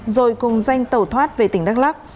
rồi cùng danh tẩu thoát về tỉnh đắk lắc